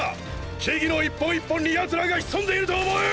木々の一本一本に奴らが潜んでいると思え！！